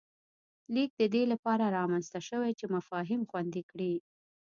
لیک د دې له پاره رامنځته شوی چې مفاهیم خوندي کړي